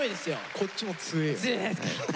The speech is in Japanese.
こっちも強えよ。